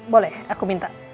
boleh aku minta